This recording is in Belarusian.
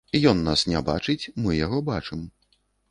Ён нас не бачыць, мы яго бачым.